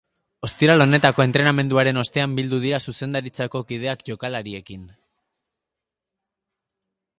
Ostiral honetako entrenamenduaren ostean bildu dira zuzendaritzako kideak jokalariekin.